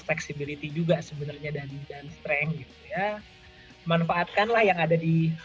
fleksibilitas juga sebenarnya dari dan strength gitu ya manfaatkanlah yang ada di